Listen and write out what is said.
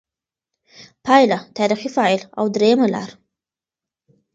پایله: «تاریخي فاعل» او درېیمه لار